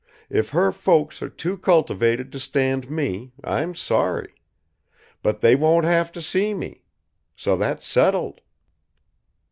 If her folks are too cultivated to stand me, I'm sorry. But they won't have to see me. So that's settled!"